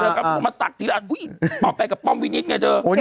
เออชอบชอบ